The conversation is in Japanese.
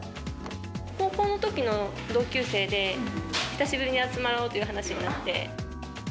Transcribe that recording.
高校のときの同級生で、久しぶりに集まろうという話になって。